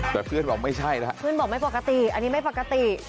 แต่เพื่อนบอกไม่ใช่แล้วเพื่อนบอกไม่ปกติอันนี้ไม่ปกติ